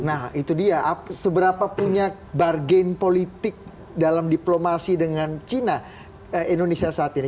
nah itu dia seberapa punya bargain politik dalam diplomasi dengan cina indonesia saat ini